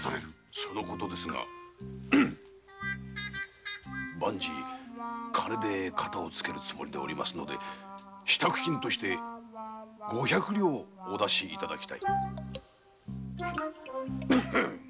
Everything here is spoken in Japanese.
そのことですが万事金でカタをつけるつもりでおりますので支度金として五百両お出しいただきたい。